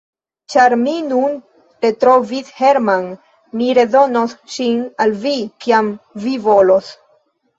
Ĉar mi nun retrovis Hermann, mi redonos ŝin al vi, kiam vi volos.